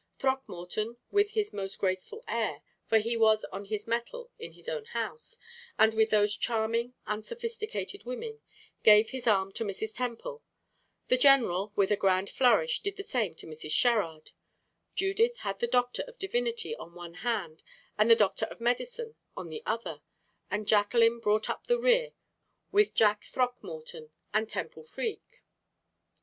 Throckmorton, with his most graceful air for he was on his mettle in his own house, and with those charming, unsophisticated women gave his arm to Mrs. Temple; the general, with a grand flourish, did the same to Mrs. Sherrard; Judith had the doctor of divinity on one hand and the doctor of medicine on the other and Jacqueline brought up the rear with Jack Throckmorton and Temple Freke.